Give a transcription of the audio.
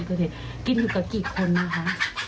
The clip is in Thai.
ก่อนเกอร์เทศกินอยู่กับกี่คนนะคะ